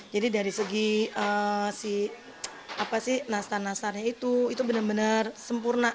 jadi dari segi si nastar nastarnya itu itu bener bener sempurna